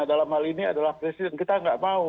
dalam hal ini adalah presiden kita nggak mau